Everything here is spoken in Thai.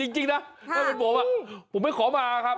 จริงนะก็มีผมผมไม่ขอมาครับ